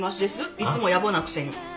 いつもやぼなくせに。